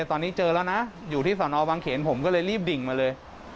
ตอนนี้เจอแล้วนะอยู่ที่สอนอวังเขนผมก็เลยรีบดิ่งมาเลย